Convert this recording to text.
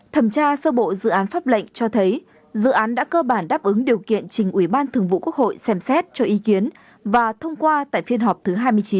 thẩm tra sơ bộ dự án pháp lệnh cho thấy dự án đã cơ bản đáp ứng điều kiện trình ủy ban thường vụ quốc hội xem xét cho ý kiến và thông qua tại phiên họp thứ hai mươi chín